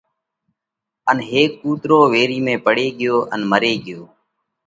ان ھيڪ ڪُوترو ويري ۾ پڙي ڳيو ان مري ڳيو۔